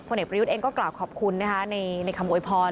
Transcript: เด็กประยุทธ์เองก็กล่าวขอบคุณนะคะในคำโวยพร